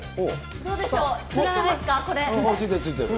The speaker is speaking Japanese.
どうでしょう？